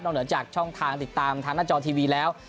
เหนือจากช่องทางติดตามทางหน้าจอทีวีแล้ว